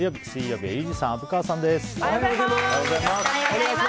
水曜日はユージさん、虻川さんです。